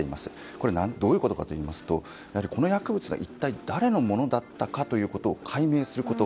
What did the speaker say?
どういうことかといいますとこの薬物が一体誰のものだったのかということを解明すること。